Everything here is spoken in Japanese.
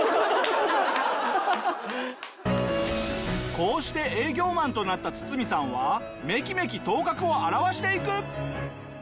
こうして営業マンとなったツツミさんはメキメキ頭角を現していく。